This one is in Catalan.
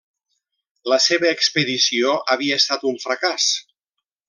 La seva expedició havia estat un fracàs.